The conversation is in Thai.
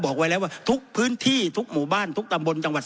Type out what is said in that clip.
บอกไว้แล้วว่าทุกพื้นที่ทุกหมู่บ้านทุกตำบลจังหวัด